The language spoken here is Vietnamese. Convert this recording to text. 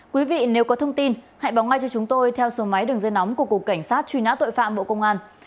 quý vị nếu có thông tin hãy báo ngay cho chúng tôi theo số máy đường dây nóng của cục cảnh sát truy nã tội phạm bộ công an